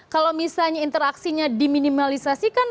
kalau misalnya interaksinya diminimalisasikan